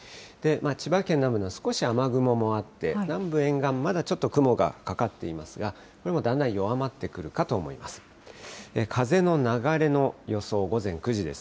千葉県南部も少し雨雲があって、南部沿岸、まだちょっと雲がかかっていますが、これもだんだん弱まってくるかと思います。